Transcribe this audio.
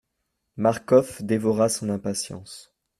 Marcof dévora son impatience.